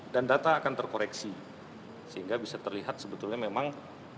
dan data akan terkoreksi sehingga bisa terlihat sebetulnya memang